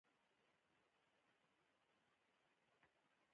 تمه مې نه وه چې دلته به داسې وګړي وي.